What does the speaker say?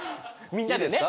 みんなでね。